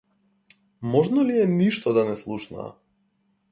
Можно ли е ништо да не слушнаа?